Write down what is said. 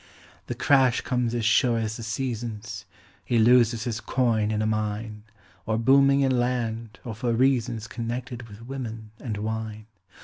The crash comes as sure as the seasons; He loses his coin in a mine, Or booming in land, or for reasons Connected with women and wine.